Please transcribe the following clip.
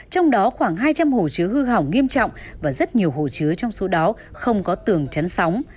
trong đó khoảng hai trăm linh hồ chứa hư hỏng nghiêm trọng và rất nhiều hồ chứa trong số đó không có tường chắn sóng